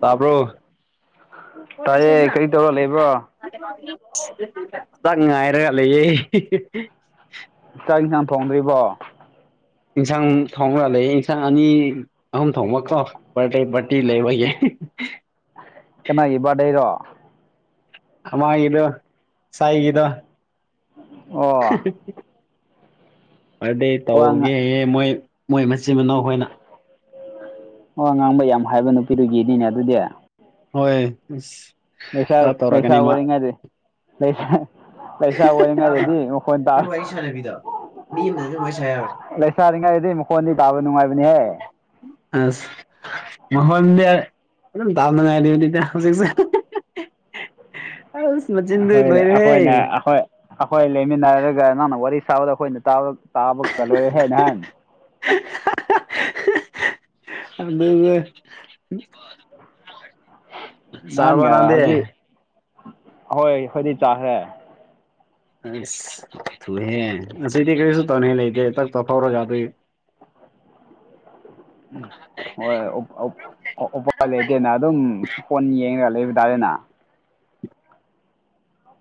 ꯇꯥꯕ꯭ꯔꯣ ꯇꯥꯏꯌꯦ ꯀꯔꯤ ꯇꯧꯔ ꯂꯩꯕ꯭ꯔꯣ ꯆꯥꯛ ꯉꯥꯏꯔꯒ ꯂꯩꯌꯦ ꯆꯥꯛ ꯌꯦꯟꯁꯥꯡ ꯊꯣꯡꯗ꯭ꯔꯤꯕꯣ ꯏꯟꯁꯥꯡ ꯊꯣꯡꯔꯒꯥ ꯂꯩꯌꯦ ꯏꯟꯁꯥꯡ ꯑꯅꯤ ꯑꯍꯨꯝ ꯊꯣꯡꯕꯀꯣ ꯕꯥꯔꯗꯦ ꯄꯥꯔꯇꯤ ꯂꯩꯕꯒꯤ ꯀꯅꯥꯒꯤ ꯕꯥꯔꯗꯦꯔꯣ ꯑꯃꯒꯤꯗꯣ ꯁꯥꯏꯒꯤꯗꯣ ꯑꯣ ꯕꯔꯗꯦ ꯇꯧꯒꯦ ꯋꯥ ꯍꯥꯏꯌꯦ ꯃꯣꯏ ꯃꯣꯏ ꯃꯆꯤꯟ ꯃꯅꯥꯎ ꯍꯣꯏꯅ ꯑꯣ ꯋꯥ ꯉꯥꯡꯕ ꯌꯥꯝ ꯍꯩꯕ ꯅꯨꯄꯤꯗꯨꯒꯤꯗꯤꯅꯦ ꯑꯗꯨꯗꯤ ꯍꯣꯏ ꯄꯩꯁꯥ ꯈꯔ ꯄꯩꯁꯥ ꯇꯧꯔꯛꯀꯅꯤ ꯃꯥ ꯑꯣꯏꯔꯤꯉꯩꯗꯤ ꯄꯩꯁꯥ ꯄꯩꯁꯥ ꯑꯣꯏꯉꯥꯏꯗꯗꯤ ꯃꯈꯣꯟ ꯇꯥ ꯅꯪ ꯋꯥꯔꯤ ꯁꯥꯟꯅꯕꯤꯗꯣ ꯃꯤ ꯑꯃꯗ ꯑꯗꯨꯝ ꯋꯥꯔꯤ ꯁꯥ ꯌꯥꯕ꯭ꯔꯣ ꯂꯩꯁꯥꯔꯤꯡꯉꯧ ꯑꯗꯗꯤ ꯃꯈꯣꯟꯗꯤ ꯇꯥꯕ ꯅꯨꯡꯉꯥꯏꯕꯅꯤꯍꯦ ꯑꯁ ꯃꯈꯣꯟꯗꯤ ꯑꯗꯨꯝ ꯇꯥꯕ ꯅꯨꯡꯉꯥꯏꯔꯤ ꯑꯗꯨꯗꯤ ꯍꯧꯖꯤꯛꯁꯦ ꯑꯁ ꯃꯆꯤꯟꯗꯤ ꯑꯩꯈꯣꯏ ꯂꯣꯏꯔꯦꯍꯦ ꯑꯩꯈꯣꯏꯅ ꯑꯩꯈꯣꯏ ꯑꯩꯈꯣꯏ ꯂꯩꯃꯤꯟꯅꯔꯒ ꯅꯪꯅ ꯋꯥꯔꯤ ꯁꯥꯕꯗ ꯑꯩꯈꯣꯏꯅ ꯇꯥꯕꯒ ꯂꯣꯏꯔꯦ ꯍꯥꯏꯅ ꯅꯍꯥꯟ [unintelligible] ꯑꯗꯨꯒ ꯆꯥꯔꯕꯣ ꯅꯍꯥꯟꯒ ꯅꯪꯗꯤ ꯍꯧꯖꯤꯛ ꯍꯣꯏ ꯍꯧꯖꯤꯛ ꯆꯥꯈ꯭ꯔꯦ ꯑꯁ ꯊꯨꯌꯦꯍꯦ ꯉꯥꯁꯤꯗꯤ ꯀꯔꯤꯁꯨ ꯇꯧꯅꯤꯡꯉꯥꯏ ꯂꯩꯇꯦ ꯇꯛꯇ ꯇꯧꯔꯒꯗꯣꯏ ꯍꯣꯏ ꯑꯧ ꯑꯣ ꯎꯄꯥꯏ ꯂꯩꯇꯦꯅ ꯑꯗꯨꯝ ꯐꯣꯟ ꯌꯦꯡꯉꯒ ꯂꯩꯕ ꯇꯥꯔꯦꯅ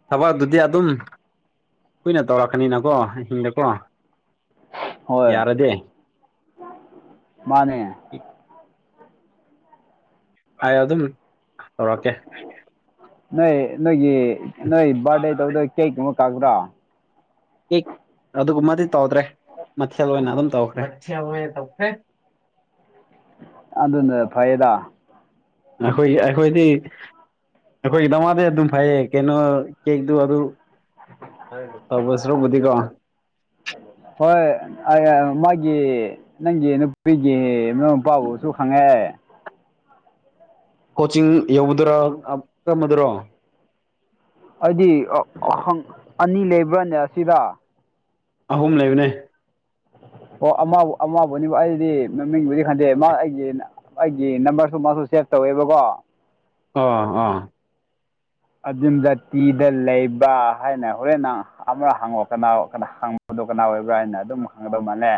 ꯊꯕꯛ ꯑꯗꯨꯨꯗꯤ ꯑꯗꯨꯝ ꯀꯨꯏꯅ ꯇꯧꯔꯛꯀꯅꯤꯅꯀꯣ ꯑꯍꯤꯡꯗꯀꯣ ꯍꯣꯏ ꯌꯥꯔꯗꯤ ꯃꯥꯅꯦ [inaudible] ꯑꯩ ꯑꯗꯨꯝ ꯇꯧꯔꯛꯀꯦ ꯅꯣꯏ ꯅꯣꯏꯒꯤ ꯅꯣꯏ ꯕꯥꯔꯗꯦ ꯇꯧꯗꯕ ꯀꯦꯛ ꯀꯨꯝꯕ ꯀꯛꯄ꯭ꯔꯥ ꯑꯗꯨꯒꯨꯝꯕꯗꯤ ꯇꯧꯗ꯭ꯔꯦ ꯃꯊꯦꯜ ꯑꯣꯏꯅ ꯑꯗꯨꯝ ꯇꯧꯈ꯭ꯔꯦ ꯃꯊꯦꯜ ꯑꯣꯏꯅ ꯇꯧꯈ꯭ꯔꯦ ꯑꯗꯨꯅ ꯐꯩꯗ ꯑꯩꯈꯣꯏꯒꯤ ꯑꯩꯈꯣꯏꯗꯤ ꯑꯩꯈꯣꯏꯒꯤ ꯗꯃꯛꯇꯤ ꯑꯗꯨꯝ ꯐꯩꯌꯦ ꯀꯩꯅꯣ ꯀꯦꯛꯇꯨ ꯑꯗꯨ ꯇꯧꯕ ꯁꯔꯨꯛꯄꯨꯗꯤꯀꯣ ꯍꯣꯏ ꯃꯥꯒꯤ ꯅꯪꯒꯤ ꯅꯨꯄꯤꯒꯤ ꯃꯅꯥꯎ ꯅꯨꯄꯥꯕꯨꯁꯨ ꯈꯪꯉꯦ ꯀꯣꯆꯤꯡ ꯌꯧꯕꯗꯨꯔꯥ ꯀꯃꯔꯝꯕꯗꯨꯔꯣ ꯑꯩꯗꯤ ꯑꯅꯤ ꯂꯩꯕ꯭ꯔꯥꯅꯦ ꯑꯁꯤꯗ ꯑꯍꯨꯝ ꯂꯩꯕꯅꯦ ꯑꯣ ꯑꯃꯕꯨ ꯑꯃꯕꯨꯅꯤꯕ ꯑꯩꯗꯤ ꯃꯃꯤꯡꯕꯨꯗꯤ ꯈꯪꯗꯦ ꯃꯥ ꯑꯩꯒꯤ ꯑꯩꯒꯤ ꯅꯝꯕꯔꯁꯨ ꯃꯥꯁꯨ ꯁꯦꯚ ꯇꯧꯋꯦꯕꯀꯣ ꯑꯣ ꯑꯣ ꯑꯖꯤꯝ ꯖꯥꯇꯤꯗ ꯂꯩꯕ ꯍꯥꯏꯅ ꯍꯣꯔꯦꯟ ꯅꯪ ꯑꯃ ꯍꯪꯉꯛꯑꯣ ꯀꯅꯥ ꯀꯅꯥ ꯍꯪꯕ ꯄꯗꯣ ꯀꯅꯥ ꯑꯣꯏꯕ꯭ꯔꯥ ꯍꯥꯏꯅ ꯑꯗꯨꯝ ꯈꯪꯒꯗꯧ ꯃꯥꯜꯂꯦ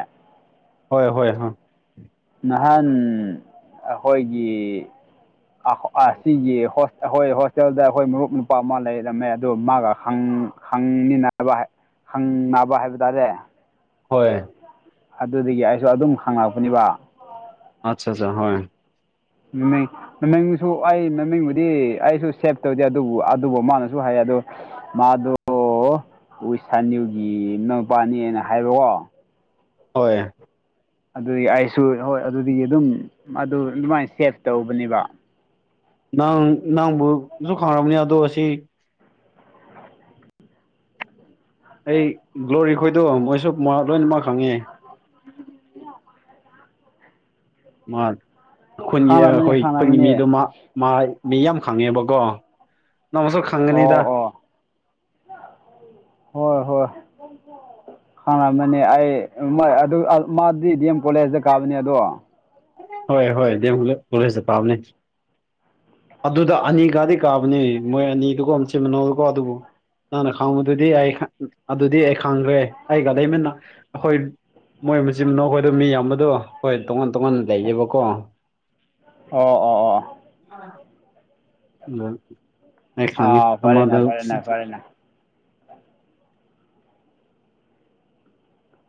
ꯍꯣꯏ ꯍꯣꯏ ꯍꯣꯏ ꯅꯍꯥꯟ ꯑꯩꯈꯣꯏꯒꯤ ꯑꯁꯤꯒꯤ ꯑꯩꯈꯣꯏ ꯍꯣꯁꯇꯦꯜꯗ ꯑꯩꯈꯣꯏ ꯃꯔꯨꯞ ꯅꯨꯄꯥ ꯑꯃ ꯂꯩꯔꯝꯃꯦ ꯑꯗꯨ ꯃꯥꯒ ꯈꯪ ꯈꯪꯅꯤꯅꯕ ꯍꯪꯅꯕ ꯍꯥꯏꯕ ꯇꯥꯔꯦ ꯍꯣꯏ ꯑꯗꯨꯗꯒꯤ ꯑꯩꯁꯨ ꯑꯗꯨꯝ ꯍꯪꯉꯛꯄꯅꯦꯕ ꯑꯠꯆꯥ ꯑꯆꯥ ꯍꯣꯏ [unintelligible] ꯃꯃꯤꯡꯁꯨ ꯑꯩ ꯃꯃꯤꯡꯕꯨꯗꯤ ꯑꯩꯁꯨ ꯁꯦꯞ ꯇꯧꯗꯦ ꯑꯗꯨꯕꯨ ꯑꯗꯨꯕꯨ ꯃꯥꯅꯁꯨ ꯍꯥꯏ ꯑꯗꯣ ꯃꯥꯗꯣ ꯎꯁꯅꯤꯌꯨꯒꯤ ꯅꯨꯄꯥꯅꯦꯅ ꯍꯥꯏꯕꯀꯣ ꯍꯣꯏ ꯑꯗꯨꯗꯤ ꯑꯩꯁꯨ ꯍꯣꯏ ꯑꯗꯨꯗꯤ ꯑꯗꯨꯝ ꯑꯗꯨ ꯑꯗꯨꯃꯥꯏꯅ ꯁꯦꯞ ꯇꯧꯕꯅꯦꯕ ꯅꯪ ꯅꯪꯕꯨꯁꯨ ꯈꯪꯉꯔꯕꯅꯤ ꯑꯗꯣ ꯑꯁꯤ ꯑꯩ ꯒ꯭ꯂꯣꯔꯤ ꯈꯣꯏꯗꯣ ꯃꯣꯏꯁꯨ ꯃ ꯂꯣꯏꯅꯃꯛ ꯈꯪꯉꯦ ꯎꯝ ꯃꯥ ꯈꯨꯟꯒꯤ ꯈꯪꯂꯝꯃꯅꯤ ꯑꯩꯈꯣꯏ ꯈꯨꯟꯒꯤ ꯈꯪꯂꯝꯃꯅꯤ ꯃꯤꯗꯨꯃ ꯃꯥ ꯃꯤ ꯌꯥꯝ ꯈꯪꯉꯦꯕꯀꯣ ꯅꯪꯃꯁꯨ ꯑꯣ ꯈꯪꯒꯅꯤꯗ ꯑꯣ ꯍꯣꯏ ꯍꯣꯏ ꯍꯥꯡ ꯑꯃꯅꯤꯅꯦ ꯑꯩ ꯃꯥꯗꯤ ꯗꯤ ꯑꯦꯝ ꯀꯣꯂꯦꯖꯇ ꯀꯥꯕꯅꯦ ꯑꯗꯣ ꯍꯣꯏ ꯍꯣꯏ ꯗ ꯍꯂ ꯄꯨꯁꯦ ꯄꯥꯝꯅꯦ ꯑꯗꯨꯗ ꯑꯅꯤꯒꯗꯤ ꯀꯥꯕꯅꯦ ꯃꯣꯏ ꯑꯅꯤꯗꯨꯀꯣ ꯑꯆꯤ ꯃꯅꯣꯀꯣ ꯑꯗꯨꯕꯨ ꯅꯪꯅ ꯈꯥꯡꯕꯗꯨꯗꯤ ꯑꯩ ꯑꯗꯨꯗꯤ ꯑꯩ ꯈꯪꯈ꯭ꯔꯦ ꯑꯩꯒ ꯂꯩꯃꯤꯟꯅ ꯑꯩꯈꯣꯏ ꯃꯣꯏ ꯃꯆꯤꯟ ꯃꯅꯥꯎ ꯑꯩꯈꯣꯏꯗꯣ ꯃꯤ ꯌꯥꯝꯕꯗꯣ ꯍꯣꯏ ꯇꯣꯉꯥꯟ ꯇꯣꯉꯥꯟ ꯂꯩꯖꯕ ꯀꯣ ꯑꯣ ꯑꯣ ꯑꯩ ꯈꯥꯡꯉꯦ ꯑꯥ ꯐꯔꯦꯅꯦ ꯑꯃꯗ ꯐꯔꯦꯅꯦ ꯐꯔꯦꯅꯦ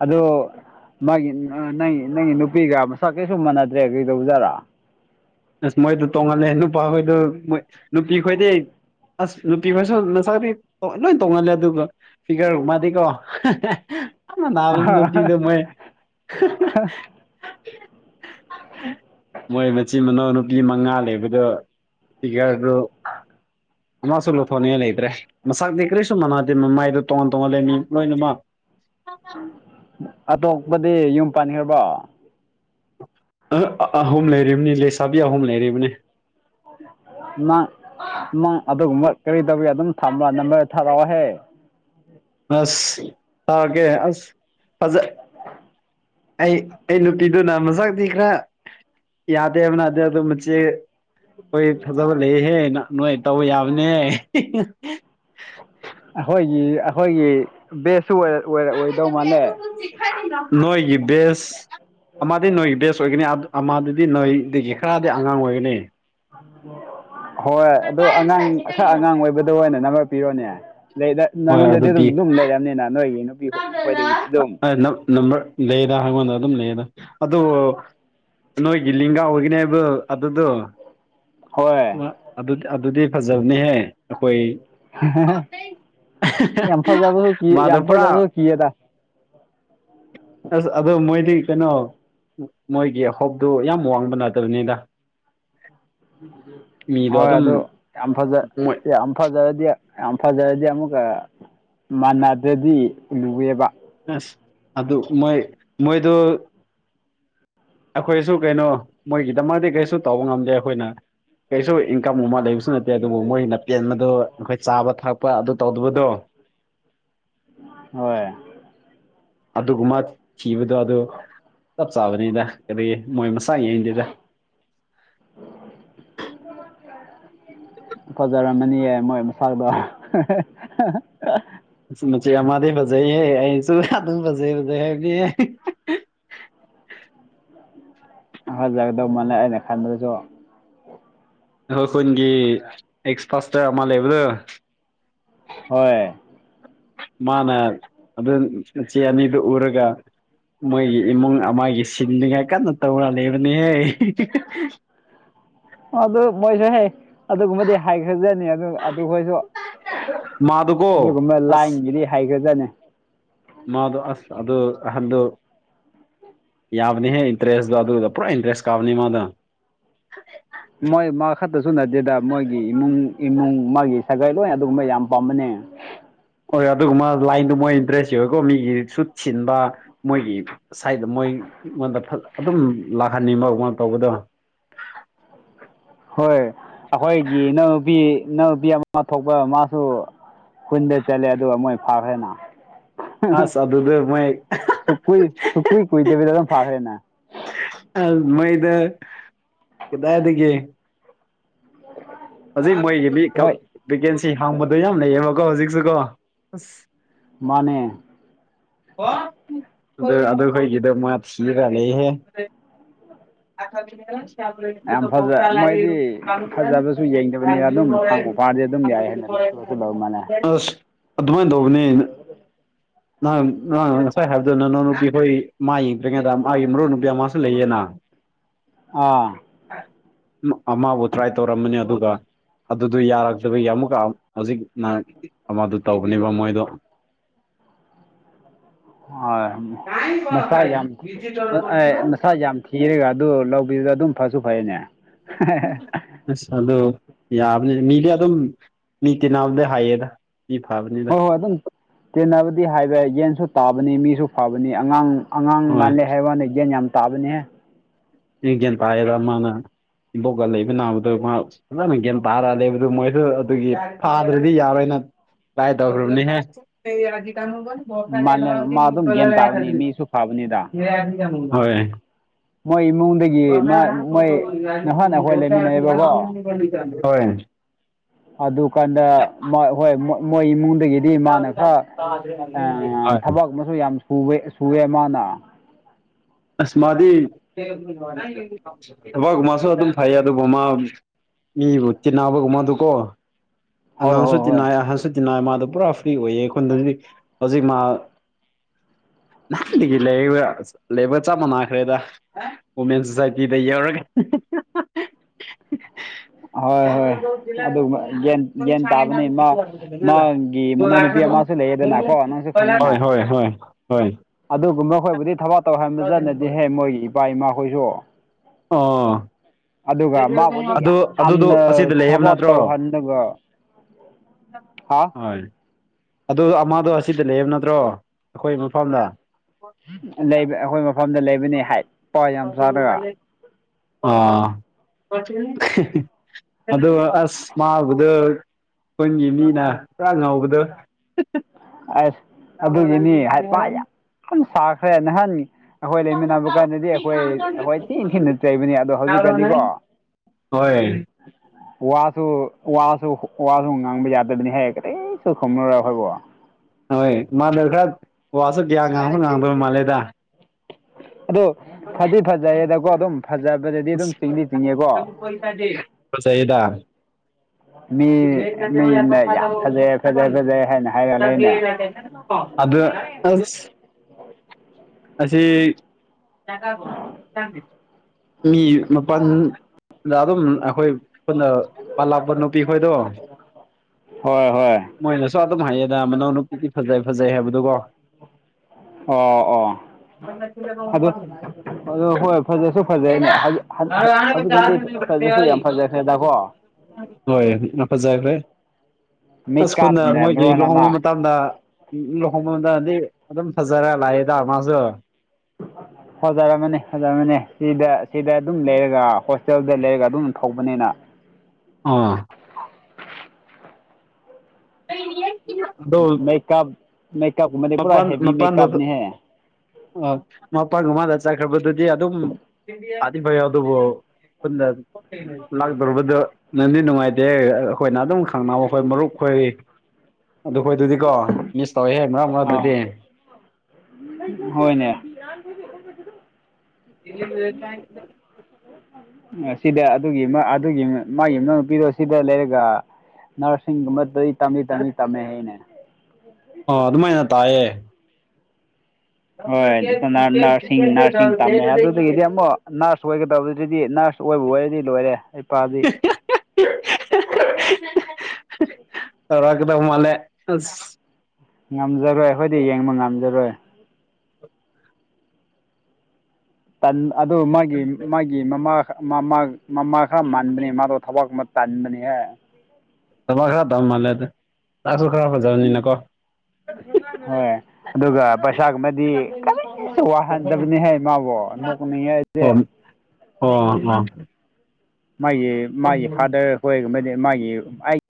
ꯑꯗꯣ ꯃꯥꯒꯤ ꯅꯪ ꯅꯪꯒꯤ ꯅꯨꯄꯤꯒ ꯃꯁꯥ ꯀꯩꯁꯨ ꯃꯥꯟꯅꯗ꯭ꯔꯦ ꯀꯩꯗꯧꯕ ꯖꯥꯔꯥ ꯑꯁ ꯃꯣꯏꯗꯨ ꯇꯣꯡꯍꯜꯂꯦ ꯅꯨꯄꯥꯈꯣꯏꯗꯣꯏ ꯅꯨꯄꯤ ꯈꯣꯏꯗꯤ ꯑꯁ ꯅꯨꯄꯤ ꯈꯔꯁꯨ ꯅꯆꯥꯅꯄꯤ ꯂꯣꯏ ꯇꯧꯍꯜꯂꯦ ꯑꯗꯨꯒ ꯐꯤꯒꯔꯒ ꯃꯥꯗꯤꯀꯣ ꯅꯃꯤ ꯅ ꯀꯤꯗ ꯃꯣꯏ ꯃꯣꯏ ꯃꯆꯤꯟ ꯃꯅꯥꯎ ꯅꯨꯄꯤ ꯃꯉꯥ ꯂꯩ ꯑꯩꯕꯗ ꯁꯤꯒꯥꯣ ꯑꯃꯁꯨ ꯂꯧꯊꯣꯛꯅꯤꯡꯉꯥꯏ ꯂꯩꯇ꯭ꯔꯦ ꯃꯁꯥꯛꯗꯤꯤ ꯀꯔꯤꯁꯨ ꯃꯥꯟꯅꯗꯦ ꯃꯃꯥꯏꯗꯣ ꯇꯣꯉꯥꯟ ꯇꯣꯉꯥꯟ ꯂꯩꯃꯤ ꯂꯣꯏꯅꯃꯛ ꯎꯝ ꯑꯇꯣꯞꯄꯗꯤ ꯌꯨꯝ ꯄꯥꯟꯈ꯭ꯔꯕꯣ ꯑꯍꯨꯝ ꯂꯩꯔꯤꯕꯅꯤ ꯂꯩꯦꯁꯥꯕꯤ ꯑꯍꯨꯝ ꯂꯩꯔꯤꯕꯅꯤ ꯪ ꯅꯪ ꯑꯗꯨꯒꯨꯝꯕ ꯀꯔꯤ ꯇꯧꯤ ꯑꯗꯨꯝ ꯊꯝꯕ꯭ꯔꯣ ꯅꯝꯕꯔ ꯊꯥꯔꯛꯑꯣꯍꯦ ꯑꯁ ꯇꯒꯦ ꯑꯁ ꯐꯖ ꯑꯩ ꯑꯩ ꯅꯨꯄꯤꯗꯨꯅ ꯃꯁꯗꯤꯤ ꯈꯔ ꯌꯥꯗꯕꯅꯗ ꯑꯗꯨ ꯃ ꯍꯣꯏ ꯊꯖꯕ ꯂꯩꯍꯦ ꯅꯣꯏ ꯇꯧꯕ ꯌꯥꯕꯅꯦ ꯑꯩꯈꯣꯏꯒꯤ ꯑꯩꯈꯣꯏꯒꯤ ꯕꯦꯁꯁꯨ ꯑꯣꯏ ꯑꯣꯏꯗꯧ ꯃꯥꯜꯂꯦ ꯅꯣꯏꯒꯤ ꯦꯁ ꯑꯃꯗꯤ ꯅꯣꯏꯒꯤ ꯕꯦꯁ ꯑꯣꯏꯒꯅꯤ ꯑꯃꯗꯨꯗꯤ ꯅꯣꯏꯗꯒꯤ ꯈꯔꯗꯤ ꯑꯉꯥꯡ ꯑꯣꯏꯒꯅꯤ ꯍꯣꯏ ꯑꯣ ꯑꯉꯥꯡ ꯑꯈꯛ ꯑꯉꯥꯡ ꯑꯣꯏꯕꯗ ꯑꯣꯏꯅ ꯄꯤꯔꯣꯅꯦ ꯂꯩꯗ ꯍꯣꯏ ꯅꯪꯉꯣꯟꯗꯗꯤ ꯑꯗꯨꯝ ꯑꯗꯨꯝ ꯂꯩꯔꯕꯅꯤꯅ ꯅꯣꯏꯒꯤ ꯅꯨꯄꯤ ꯈꯣꯏꯗꯒꯤ ꯑꯗꯨꯝ ꯅꯝꯕ ꯂꯩꯗ ꯑꯩꯪꯉꯣꯟꯗ ꯑꯗꯨꯝ ꯂꯩꯌꯦꯗ ꯑ ꯅꯣꯏꯒꯤ ꯂꯤꯡꯒꯥ ꯑꯣꯏꯒꯅꯦ ꯍꯥꯏꯕ ꯑꯗꯨꯗꯣ ꯍꯣꯏ ꯑꯗꯨꯗꯤ ꯐꯖꯕꯅꯤꯍꯦ ꯑꯩꯈꯣꯏ ꯌꯥꯡꯐꯥꯕ ꯍꯣ ꯃꯥꯗꯣ ꯄꯨꯔꯥ ꯌꯥꯝꯡꯐꯕꯁꯨꯣ ꯀ ꯑꯦꯗ ꯑꯁ ꯑꯗꯨꯗꯣ ꯃꯣꯏꯗꯤ ꯀꯩꯅꯣ ꯃꯣꯏꯒꯤ ꯍꯣꯞꯇꯨ ꯌꯥꯝ ꯋꯥꯡꯕ ꯅꯠꯇꯕꯅꯤꯗ ꯃꯤꯗꯣ ꯍꯣꯏ ꯑꯗꯨꯝ ꯑꯗꯨ ꯌꯥꯝ ꯐꯖ ꯃꯣꯏ ꯌꯥꯝ ꯐꯖꯔꯗꯤ ꯌꯥꯝ ꯐꯖꯔꯗꯤ ꯑꯃꯨꯛꯀ ꯃꯥꯟꯅꯗ꯭ꯔꯗꯤ ꯂꯨꯑꯦꯕ ꯑꯁ ꯑꯗꯨ ꯃꯣꯏ ꯃꯣꯏꯗꯨ ꯑꯈꯣꯏꯁꯨ ꯀꯩꯅꯣ ꯃꯣꯏꯒꯤꯗꯃꯗꯤ ꯀꯩꯁꯨ ꯇꯧꯕ ꯉꯝꯗꯦ ꯑꯈꯣꯏꯅ꯫ ꯀꯩꯁꯨ ꯏꯟꯀꯝ ꯑꯃ ꯂꯩꯕꯁꯨ ꯅꯠꯇꯦ ꯑꯗꯨꯕꯨ ꯃꯣꯏꯅ ꯄꯦꯟꯕꯗꯨ ꯅꯈꯣꯏ ꯆꯥꯕ ꯊꯛꯄ ꯑꯗꯨ ꯇꯧꯗꯕꯗꯣ ꯍꯣꯏ ꯑꯗꯨꯒꯨꯝꯕ ꯊꯤꯕꯗꯣ ꯑꯗꯨ ꯆꯞ ꯆꯥꯕꯅꯤꯗ ꯀꯔꯤ ꯃꯣꯏ ꯃꯁꯥ ꯌꯦꯡꯗꯦꯗ꯫ [inaudible] ꯐꯖꯔꯝꯃꯅꯤꯌꯦ ꯃꯣꯏ ꯃꯁꯥꯗꯣ [unintelligible] ꯃꯆꯤ ꯃꯆꯤ ꯑꯃꯗꯤ ꯐꯖꯩꯍꯦ ꯑꯩꯁꯨ ꯑꯗꯨ ꯐꯖꯩꯐꯖꯩ ꯍꯥꯏꯕꯅꯤ ꯐꯖꯒꯗꯧ ꯃꯥꯜꯂꯦ ꯑꯩꯅ ꯈꯟꯕꯗꯁꯨ꯫ ꯑꯈꯣꯏ ꯈꯨꯟꯒꯤ ꯑꯦꯛꯁ ꯐꯥꯁꯇ ꯑꯃ ꯂꯩꯕꯗꯣ ꯍꯣꯏ ꯃꯥꯅ ꯑꯗꯨ ꯏꯆꯦ ꯑꯅꯤꯗꯖ ꯎꯔꯒ ꯃꯣꯏꯒꯤ ꯏꯃꯨꯡ ꯑꯃꯒꯤ ꯁꯤꯟꯅꯤꯡꯉꯥꯏ ꯀꯟꯅ ꯇꯧꯔ ꯂꯩꯕꯅꯤꯍꯦ꯫ ꯑꯗꯨ ꯃꯣꯏꯁꯨ ꯍ ꯑꯗꯨꯒꯨꯝꯕꯗꯤ ꯍꯥꯏꯈ꯭ꯔꯖꯅꯤ ꯑꯗꯨ ꯑꯗꯨ ꯍꯣꯏꯁꯨ꯫ ꯃꯥꯗꯨꯀꯣ ꯑꯗꯨꯒꯨꯝꯕ ꯑꯁ ꯂꯥꯏꯟꯒꯤꯗꯤ ꯍꯩꯒ꯭ꯔꯖꯅꯤ꯫ ꯃꯥꯗꯣ ꯑꯁ ꯑꯁ ꯑꯗꯨ ꯑꯍꯟꯗꯨ ꯌꯥꯕꯅꯤꯍꯦ ꯏꯟꯇꯔꯦꯁꯒꯗꯨꯗ ꯄꯨꯔꯥ ꯏꯟꯇꯔꯦꯁ ꯀꯥꯕꯅꯤ ꯃꯥꯗꯣ꯫ ꯃꯣꯏ ꯃꯥ ꯈꯛꯇꯁꯨ ꯅꯗꯦꯗ ꯃꯣꯏꯒꯤ ꯏꯃꯨꯡ ꯏꯃꯨꯡ ꯃꯥꯒꯤ ꯁꯥꯒꯩ ꯂꯣꯏ ꯑꯗꯨꯒꯨꯝꯕ ꯌꯥꯝ ꯄꯥꯝꯕꯅꯦ꯫ ꯍꯣꯏ ꯑꯗꯨꯒꯨꯝꯕ ꯂꯥꯏꯟꯗꯨ ꯃꯣꯏ ꯏꯟꯇꯔꯦꯁ ꯌꯎꯋꯦꯀꯣ ꯃꯤꯒꯤ ꯁꯨꯠ ꯁꯤꯟꯕ ꯃꯣꯏꯒꯤ ꯁꯥꯏꯗ ꯃꯣꯏ ꯑꯩꯉꯣꯟꯗ ꯐꯣ ꯑꯗꯨꯝ ꯂꯥꯛꯍꯟꯅꯤꯡꯕꯃ ꯇꯧꯕꯗꯣ ꯍꯣꯏ ꯑꯈꯣꯏꯒꯤ ꯏꯅꯥꯎꯅꯨꯄꯤ ꯏꯅꯥꯎꯄꯤ ꯑꯃ ꯊꯣꯛꯄ ꯃꯥꯁꯨ ꯈꯨꯨꯟꯗ ꯆꯠꯂꯦ ꯑꯗꯨꯒ ꯃꯣꯏ ꯐꯥꯈ꯭ꯔꯦꯅ ꯑꯁ ꯑꯗꯨꯗ ꯃꯣꯏ ꯁꯨ ꯀꯨꯏ ꯁꯨꯀꯨꯏ ꯀꯨꯏꯗꯕꯤꯗ ꯑꯗꯨꯝ ꯐꯥꯔꯦꯅ꯫ ꯑ ꯃꯩꯗ ꯀꯗꯥꯏꯒꯤ [unintelligible] ꯍꯧꯖꯤꯛ ꯃꯣꯏꯒꯤ ꯃꯤꯀꯞ ꯃꯣꯏ ꯚꯦꯀꯦꯟꯁꯤ ꯍꯥꯡꯕꯗꯣ ꯌꯥꯝ ꯂꯩꯌꯦꯕꯀꯣ ꯍꯧꯖꯤꯛꯁꯨꯀꯣ ꯑꯁ ꯃꯥꯅꯦ ꯑꯗꯨ ꯑꯗꯨꯈꯣꯏꯒꯤꯗ ꯃꯥ ꯊꯤꯔꯂꯩ ꯍꯥꯌꯦ ꯫ ꯌꯥꯝ ꯐꯖ ꯃꯣꯏꯗꯤ [unintelligible] ꯐꯖꯕꯁꯨ ꯌꯦꯡꯗꯕꯅꯤ ꯑꯗꯨꯝ ꯐꯪꯕꯨ ꯐꯥꯔꯗꯤ [unintelligible] ꯑꯗꯨꯝ ꯌꯥꯏ ꯍꯥꯏꯅ ꯂꯧꯁꯨ ꯂꯧꯕ ꯃꯥꯜꯂꯦ ꯑꯁ ꯑꯗꯨꯃꯥꯏ ꯗꯧꯕꯅꯦ꯫ [unintelligible] ꯅꯪ ꯅꯪ ꯉꯁꯥꯏ ꯍꯥꯏꯕꯗꯨ ꯅꯅꯥꯎ ꯅꯨꯄꯤ ꯍꯣꯏ ꯃꯥ ꯌꯦꯡꯗ꯭ꯔꯤꯉꯩꯗ ꯃꯥꯒꯤ ꯃꯔꯨꯞ ꯅꯨꯄꯤ ꯑꯃꯁꯨ ꯂꯩꯌꯦꯅ꯫ [inaudible] ꯑꯥ ꯑꯃꯕꯨ ꯇ꯭ꯔꯥꯏ ꯇꯧꯔꯝꯕꯅꯦ ꯑꯗꯨꯒ ꯑꯗꯨꯗꯨ ꯌꯥꯔꯛꯇ꯭ꯔꯕꯩ ꯑꯃꯨꯛꯀ ꯍꯧꯖꯤꯛꯅ ꯑꯃꯗꯨ ꯇꯧꯕꯅꯦꯕ ꯃꯣꯏꯗꯣ꯫ ꯑ ꯃꯁꯥ ꯌꯥꯝ ꯑ ꯁꯥꯥ ꯌꯥꯝ ꯊꯤꯔꯦꯒ ꯑꯗꯨ ꯂꯧꯕꯤꯗꯨꯗ ꯑꯗꯨꯝ ꯐꯁꯨ ꯐꯩꯅꯦ꯫ ꯑꯁ ꯑꯗꯨ ꯌꯥꯕꯅꯦ ꯃꯤꯗꯤ ꯑꯗꯨꯝ ꯃꯤ ꯇꯤꯅꯕꯗꯣ ꯍꯥꯏꯌꯦꯗ ꯃꯤ ꯐꯕꯅꯦ ꯍꯣꯏ ꯍꯣꯏ ꯑꯗꯨꯝ ꯇꯦꯟꯅꯕꯗꯤ ꯍꯥꯏꯕ ꯌꯦꯟꯁꯨ ꯇꯥꯕꯅꯤ ꯃꯤꯁꯨ ꯐꯕꯅꯤ ꯑꯉꯥꯡ ꯑꯉꯥꯡ ꯍꯣꯏ ꯃꯥꯜꯂꯦ ꯍꯥꯏꯕ ꯋꯥꯅꯦ ꯒꯦꯟ ꯌꯥꯝ ꯇꯥꯕꯅꯤꯍꯦ꯫ ꯒꯌ꯭ꯥꯟ ꯇꯥꯏꯔ ꯃꯥꯅ ꯏꯕꯣꯛꯀ ꯂꯩꯕ ꯅꯥꯕꯗꯣ ꯃꯥ ꯗꯨꯃꯥꯏꯅ ꯒꯦꯟ ꯇꯥꯔ ꯂꯩꯕꯗꯨ ꯃꯣꯏꯁꯨ ꯑꯗꯨꯒꯤ ꯐꯥꯗ꯭ꯔꯗꯤ ꯌꯥꯔꯣꯏꯅ ꯇꯥꯏ ꯇꯧꯈꯔꯕꯅꯤꯍꯦ ꯃꯥꯜꯂꯦ ꯃꯥ ꯑꯗꯨꯝ ꯒ꯭ꯌꯥꯟ ꯇꯥꯕꯅꯤ ꯃꯤꯁꯨ ꯐꯕꯅꯤꯗ [unintelligible] ꯍꯣꯏ꯫ ꯃꯣꯏ ꯏꯃꯨꯡꯗ ꯂꯩꯃꯤꯟꯅꯩꯕꯀꯣ [unintelligible] ꯑꯗꯨꯀꯥꯟꯗ ꯃꯥ ꯍꯣꯏ ꯃꯣꯏ ꯏꯃꯨꯡꯗꯒꯤ ꯗꯤ ꯃꯥꯅ ꯈꯔ ꯑ ꯍꯣꯏ ꯊꯕꯛ ꯑꯃꯁꯨ ꯌꯥꯝ ꯁꯨꯋꯦ ꯁꯨꯋꯦ ꯃꯥꯅ꯫ ꯑꯁꯃꯥꯗꯤ ꯑꯕ ꯃꯥꯁꯨ ꯑꯗꯨꯝ ꯐꯩ ꯑꯗꯨ ꯃꯃ ꯏꯤꯅꯥꯕꯒ ꯃꯥꯗꯨ ꯀꯣ ꯍꯣꯏ ꯑꯉꯥꯡꯁꯨ ꯍꯣꯏ ꯍꯣꯏ ꯇꯤꯟꯅꯏ ꯑꯍꯟꯁꯨ ꯇꯤꯟꯅꯏ ꯃꯥꯗꯣ ꯄꯨꯔꯥ ꯐ꯭ꯔꯤ ꯑꯣꯏꯌꯦ ꯑꯩꯈꯣꯏꯗ ꯍꯧꯖꯤꯛ ꯍꯧꯖꯤꯛ ꯃꯥ ꯅꯒꯤ ꯂꯩꯕ ꯂꯦꯕꯔ ꯆꯥꯃꯅꯥꯈ꯭ꯔꯦꯗ ꯋꯨꯃꯦꯟ ꯁꯣꯁꯥꯏꯇꯤꯗ ꯌꯧꯔꯒ ꯍꯣꯏ ꯍꯣꯏ ꯑꯗꯨꯒꯨꯝꯕ ꯒ꯭ꯌꯥꯟ ꯒ꯭ꯌꯥꯟ ꯇꯥꯕꯅꯤ ꯃꯥ ꯃꯥꯒꯤ ꯃꯅꯥꯎꯅꯨꯄꯤ [inaudible] ꯑꯃꯁꯨ ꯂꯩꯌꯦꯗꯅꯀꯣ ꯅꯪꯁꯨ [inaudible] ꯍꯣꯏ ꯍꯣꯏ ꯍꯣꯏ ꯍ ꯑꯗꯨꯒꯨꯝꯕꯈꯣꯏꯕꯨꯗꯤ ꯊꯕꯛ ꯇꯧꯍꯟꯕ ꯆꯠꯅꯗꯤꯍꯦ ꯃꯣꯏꯒꯤ ꯏꯄꯥ ꯏꯃꯥꯈꯣꯏꯁꯨ ꯑꯥ ꯑꯗꯨꯒ ꯃꯥꯕꯨꯗꯤ ꯑꯗꯨ ꯑꯗꯨꯗꯣ ꯌꯥꯝꯅ ꯑꯁꯤꯗ ꯂꯩꯌꯦꯕ ꯊꯕꯛ ꯅꯠꯇ꯭ꯔꯣ ꯇꯧꯍꯜꯂꯒ ꯍꯥ ꯍꯣꯏ ꯑꯗꯨ ꯑꯃꯗꯣ ꯑꯁꯤꯗ ꯂꯩꯌꯦꯕ ꯅꯠꯇ꯭ꯔꯣ ꯑꯩꯈꯣꯏ ꯃꯐꯝꯗ ꯂꯩꯕ ꯑꯩꯈꯣꯏ ꯃꯐꯝꯗ ꯂꯩꯕꯅꯤ ꯍꯥꯏꯠ ꯄꯋꯥ ꯌꯥꯝ ꯆꯥꯔꯒ ꯑ ꯑꯗꯣ ꯑꯁ ꯃꯥꯗꯨ ꯑꯩꯟꯒꯤ ꯃꯤꯅ ꯄꯨꯔꯥ ꯉꯥꯎꯕꯗꯣ ꯑꯁ ꯑꯗꯨꯒꯤꯅꯤ ꯍꯥꯏ ꯄ ꯌꯥꯝ ꯁꯥꯈ꯭ꯔꯦ ꯅꯍꯥꯟ ꯑꯩꯈꯣꯏ ꯂꯩꯃꯤꯟꯅꯕ ꯀꯥꯟꯗꯗꯤ ꯑꯩꯈꯣꯏ ꯑꯩꯈꯣꯏ ꯊꯤꯅ ꯊꯤꯅ ꯆꯩꯕꯅꯤ ꯑꯗꯣ ꯍꯧꯖꯤꯛꯀꯥꯟꯗꯤꯀꯣ ꯌꯥ ꯍꯣꯏ ꯋꯥꯁꯨ ꯋꯥꯁꯨ ꯋꯥꯁꯨ ꯉꯥꯡꯕ ꯌꯥꯗꯕꯅꯤ ꯍꯥꯏꯌꯦ ꯀꯩꯁꯨ ꯈꯨꯝꯅꯨꯔꯣꯏ ꯑꯩꯈꯣꯏꯕꯣ ꯍꯣꯏ ꯃꯥꯜꯂ ꯈꯔ ꯋꯥꯁꯨ ꯀꯌꯥ ꯉꯥꯡꯕ ꯉꯥꯡꯗꯣꯏ ꯃꯥꯜꯂꯦꯗ ꯑꯗꯣ ꯐꯗꯤ ꯐꯖꯩꯌꯦꯗꯀꯣ ꯑꯗꯨꯝ ꯐꯖꯕ ꯍꯤꯗ ꯃꯤ ꯦꯅ ꯃꯤꯅ ꯐꯥꯇ ꯌꯥꯝ ꯐꯖꯩ ꯐꯖꯩ ꯐꯖꯩ ꯍꯥꯏꯅ ꯍꯥꯏꯔ ꯂꯩꯅꯦ ꯦ ꯂꯇꯦ ꯑꯗꯨ ꯑ ꯑꯁꯤ ꯃꯤ ꯃꯥꯄꯜꯗ ꯑꯗꯨꯝ ꯑꯩꯈꯣꯏ ꯅ ꯄꯥꯜꯂꯥꯞꯄ ꯅꯨꯄꯤ ꯈꯣꯏꯗꯣ ꯍꯣꯏ ꯍꯣꯏ ꯃꯣꯏꯅꯁꯨ ꯑꯗꯨꯝ ꯍꯥꯏꯌꯦꯗ ꯃꯅꯥꯎ ꯅꯨꯄꯤꯗꯤ ꯐꯖꯩ ꯐꯖꯩ ꯍꯥꯏꯕꯗꯨꯀꯣ ꯑꯣ ꯑꯣ ꯑꯗꯨꯗꯣ ꯑ ꯍꯣꯏ ꯐꯖꯁꯨ ꯐꯖꯩꯅꯦ ꯍꯧꯖꯤꯛꯀꯥꯟꯗꯤ ꯐꯖꯁꯨ ꯌꯥꯝ ꯐꯖꯈ꯭ꯔꯦꯗꯀꯣ ꯍꯣꯏ ꯌꯥꯝ ꯐꯖꯈ꯭ꯔꯦꯀꯨꯅ ꯃꯤꯀꯥꯞꯅ ꯃꯣꯏꯒꯤ ꯃꯔꯣꯟ ꯂꯨꯍꯣꯡꯕ ꯑꯃ ꯃꯇꯝ ꯗ ꯂꯨꯍꯣꯡꯕꯝꯗꯗꯤ ꯑꯗꯨꯝ ꯐꯖꯔꯒ ꯂꯥꯛꯑꯦꯗ ꯃꯥꯁꯨ ꯐꯖꯔꯝꯃꯅꯤ ꯐꯖꯝꯃꯅꯤ ꯁꯤꯗ ꯁꯤꯗ ꯑꯗꯨꯝ ꯂꯩꯔꯒ ꯍꯣꯁꯇꯦꯜꯗ ꯂꯩꯔꯒ ꯑꯗꯨꯝ ꯇꯧꯕꯅꯤꯅ ꯑꯥ ꯌꯦ ꯃꯦꯀꯞ ꯃꯦꯀꯞ ꯃ ꯄꯨꯥ ꯍꯦꯕꯤꯤ ꯃꯦꯀꯞ ꯍꯥꯏ ꯑꯣ ꯃꯄꯥꯟꯒꯃꯥꯗ ꯆꯠꯈ꯭ꯔꯕꯗꯨꯗꯤ ꯑꯗꯨꯝ ꯗꯤꯕ ꯌꯥꯎꯗꯣꯕꯨ ꯂꯥꯛꯇꯕꯗ ꯅꯪꯗꯤ ꯅꯨꯡꯉꯥꯏꯇꯦ ꯑꯩꯈꯣꯏꯅ ꯑꯗꯨꯝ ꯈꯪꯅꯕ ꯑꯩꯈꯣꯏ ꯃꯔꯨꯞ ꯑꯩꯈꯣꯏ ꯎꯝ ꯑꯗꯨꯈꯣꯏ ꯑꯗꯨꯗꯤꯀꯣ ꯃꯤꯁ ꯇꯧꯋꯦꯍꯦ ꯃꯔꯛ ꯃꯔꯥꯡ ꯑꯗꯨꯗꯤ ꯑꯥ ꯍꯣꯏꯅꯦ ꯌꯥꯣ ꯏ ꯑ ꯁꯤꯗ ꯑꯗꯨꯒꯤ ꯑꯗꯨꯒꯤ ꯃꯥꯒꯤ ꯏꯅꯥꯎ ꯅꯨꯄꯤꯗꯣ ꯁꯤꯗ ꯂꯩꯔꯒ ꯅꯔꯁꯤꯡ ꯃ ꯇꯝꯃꯤ ꯇꯝ ꯇꯃꯦ ꯍꯅꯦ ꯑ ꯑꯗꯨꯃꯥꯏꯅ ꯇꯥꯏꯌꯦ ꯍꯣꯏꯅ ꯅꯔꯁꯤꯡ ꯅꯔꯁꯤꯡ ꯇꯝꯃꯦ ꯑꯗꯨꯗꯒꯤꯗꯤ ꯑꯃꯨꯛ ꯅꯔꯁ ꯑꯣꯏꯒꯗꯕꯗꯨꯗꯗꯤ ꯅꯔꯁ ꯀꯣꯏꯕꯩ ꯋꯥꯔꯤꯗꯤ ꯂꯣꯏꯔꯦ ꯍꯩꯄꯥꯗꯤ ꯇꯧꯔꯥꯛ ꯀꯗꯕ ꯃꯥꯂꯦ ꯉꯝꯖꯔꯣꯏ ꯑꯩꯈꯣꯏꯗꯤ ꯌꯦꯡꯕ ꯉꯝꯖꯔꯣꯏ ꯑꯗꯨ ꯃꯥꯒꯤ ꯃꯥꯒꯤ ꯃꯃꯥꯃ ꯃꯃꯥ ꯈꯔ ꯃꯥꯟꯕꯅꯦ ꯃꯥꯗꯣ ꯊꯕꯛ ꯑꯃ ꯇꯅꯤꯡꯅꯕꯅꯤꯍꯦ ꯊꯃ ꯈꯔ ꯊꯝ ꯃꯥꯜꯂꯦꯗ ꯆꯥꯁꯨ ꯈꯔ ꯐꯖꯕꯅꯤꯅ ꯀꯣ ꯍꯣꯏ ꯑꯗꯨꯒ ꯄꯩꯁꯥꯒꯨꯝꯃꯗꯤ ꯑꯁꯨ ꯋꯥꯍꯟꯗꯕꯅꯤ ꯍꯥꯏ ꯃꯥꯕꯨꯣ ꯅꯣꯛꯅꯤꯡꯉꯦ ꯑꯩꯁꯦ ꯑꯣ ꯑꯣ ꯃꯥꯒꯤ ꯃꯥꯒꯤ ꯐꯥꯗꯔ ꯍꯣꯏ ꯃꯥꯒꯤ ꯑ